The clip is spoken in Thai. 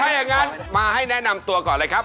ถ้าอย่างนั้นมาให้แนะนำตัวก่อนเลยครับ